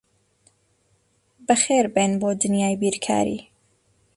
بەخێربێن بۆ دنیای بیرکاری.